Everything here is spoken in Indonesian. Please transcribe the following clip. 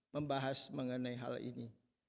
membahas mengenai hal ini